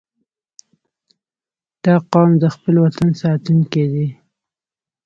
• دا قوم د خپل وطن ساتونکي دي.